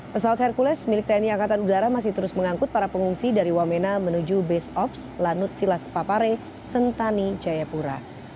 pesawat hercules milik tni angkatan udara masih terus mengangkut para pengungsi dari wamena menuju base ops lanut silas papare sentani jayapura